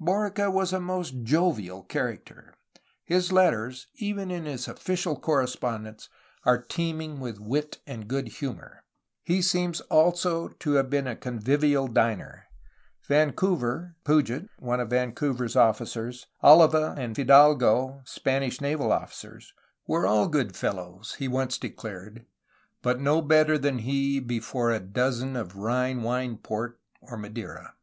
Borica was a most jovial character. His letters, even in his official correspondence, are teeming with wit and good humor. He seems also to have been a convivial diner. Vancouver, Puget,^ Alava, ^ and Fidalgo' were all good fellows, he once declared, but no better than he ''before a dozen of Rhine wine port, or Madeira.